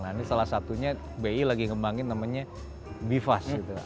nah ini salah satunya bi lagi ngembangin nama nya bivas gitu